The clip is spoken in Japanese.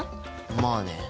まあね。